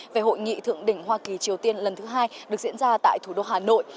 về hội nghị thượng đỉnh hoa kỳ triều tiên lần thứ hai được diễn ra tại thủ đô hà nội